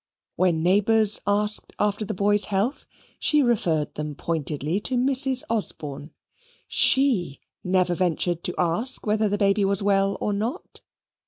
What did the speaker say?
When neighbours asked after the boy's health, she referred them pointedly to Mrs. Osborne. SHE never ventured to ask whether the baby was well or not.